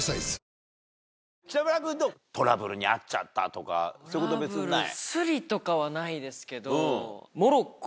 ぷはーっそういうこと別にない？